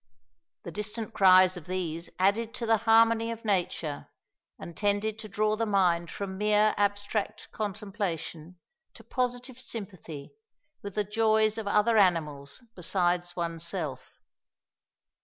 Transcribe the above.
The distant cries of these added to the harmony of nature, and tended to draw the mind from mere abstract contemplation to positive sympathy with the joys of other animals besides one's self.